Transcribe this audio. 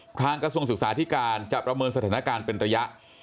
กระทรวงศึกษาธิการจะประเมินสถานการณ์เป็นระยะ